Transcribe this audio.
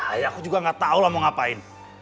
ayah aku juga gak tau lah mau ngapain